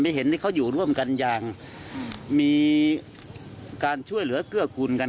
เห็นนี่เขาอยู่ร่วมกันอย่างมีการช่วยเหลือเกื้อกูลกัน